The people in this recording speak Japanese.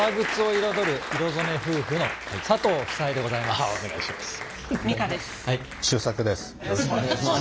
こちらがよろしくお願いします。